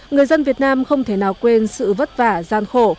người dân việt nam không thể nào quên sự vất vả gian khổ